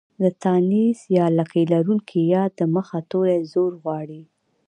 د تانيث يا لکۍ لرونکې ۍ د مخه توری زورکی غواړي.